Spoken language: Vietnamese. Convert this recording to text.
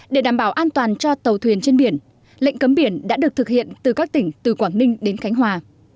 để đảm bảo an toàn cho tàu thuyền trên biển lệnh cấm biển đã được thực hiện từ các tỉnh từ quảng ninh đến khánh hòa